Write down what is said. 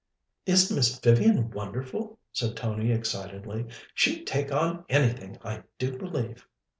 "Isn't Miss Vivian wonderful?" said Tony excitedly. "She'd take on anything, I do believe."